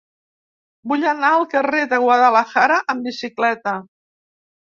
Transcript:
Vull anar al carrer de Guadalajara amb bicicleta.